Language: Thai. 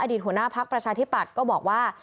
หัวหน้าพักประชาธิปัตย์ก็บอกว่า